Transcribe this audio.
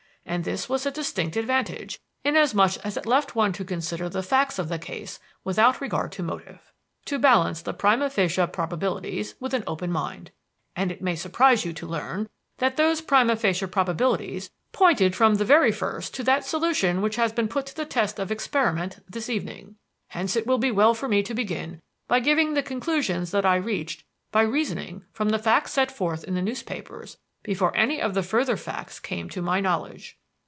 And this was a distinct advantage, inasmuch as it left one to consider the facts of the case without regard to motive to balance the prima facie probabilities with an open mind. And it may surprize you to learn that those prima facie probabilities pointed from the very first to that solution which has been put to the test of experiment this evening. Hence it will be well for me to begin by giving the conclusions that I reached by reasoning from the facts set forth in the newspapers before any of the further facts came to my knowledge.